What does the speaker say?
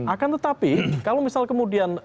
akan tetapi kalau misalnya kita lihat di dalam konteks ini